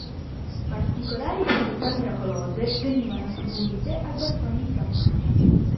Particolari proprietà miracolose venivano attribuite al bastone di San Magno.